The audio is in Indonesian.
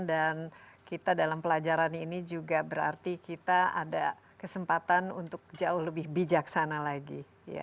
dan kita dalam pelajaran ini juga berarti kita ada kesempatan untuk jauh lebih bijaksana lagi